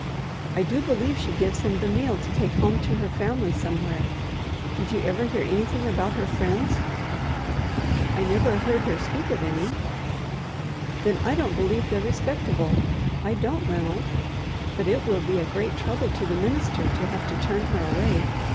I do believe she gives him the meal to take home to her family somewhere. Did you ever hear anything about her friends?" "I never heard her speak of any." "Then I don't believe they're respectable. I don't, Ranald. But it will be a great trouble to the minister to have to turn her away.